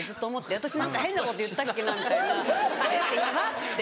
私何か変なこと言ったっけなみたいな何かヤバって。